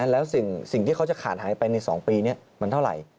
แล้วสิ่งที่เขาจะขาดหายไปใน๒ปีนี้มันเท่าไหร่